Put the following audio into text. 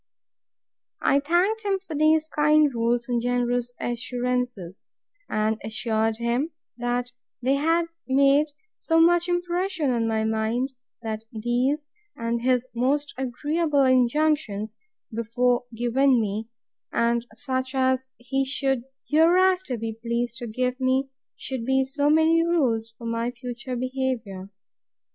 I thanked him for these kind rules, and generous assurances: and assured him, that they had made so much impression on my mind, that these, and his most agreeable injunctions before given me, and such as he should hereafter be pleased to give me, should be so many rules for my future behaviour.